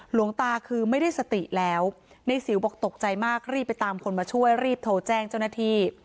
หลวงตาคือไม่ได้สติแล้วในสิวบอกตกใจมากรีบไปตามคนมาช่วยรีบโทรแจ้งเจ้าหน้าที่